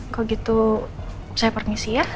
kalau gitu saya permisi ya